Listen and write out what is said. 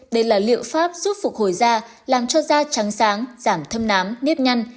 đây là liệu pháp giúp phục hồi da làm cho da trắng sáng giảm thâm nám nếp nhăn